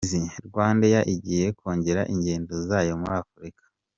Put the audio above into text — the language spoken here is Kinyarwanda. RwandAir igiye kongera ingendo zayo muri Afurika